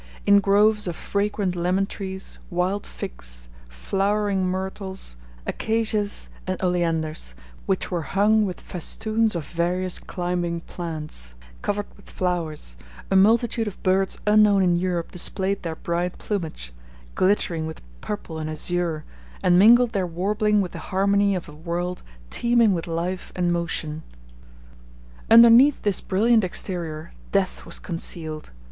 In groves of fragrant lemon trees, wild figs, flowering myrtles, acacias, and oleanders, which were hung with festoons of various climbing plants, covered with flowers, a multitude of birds unknown in Europe displayed their bright plumage, glittering with purple and azure, and mingled their warbling with the harmony of a world teeming with life and motion. *f Underneath this brilliant exterior death was concealed.